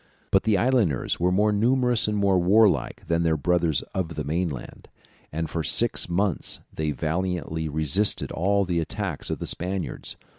But the islanders were more numerous and more warlike than their brothers of the mainland, and for six months they valiantly resisted all the attacks of the Spaniards.